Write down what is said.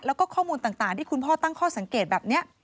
แล้วก็ข้อมูลต่างที่คุณพ่อตั้งข้อสังเกตแบบนี้